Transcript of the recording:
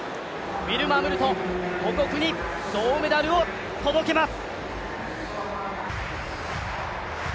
ウィルマ・ムルト、母国に銅メダルを届けます。